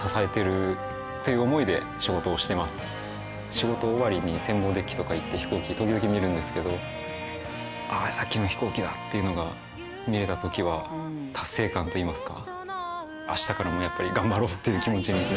仕事終わりに展望デッキとか行って飛行機時々見るんですけど「ああさっきの飛行機だ」っていうのが見られた時は達成感といいますか。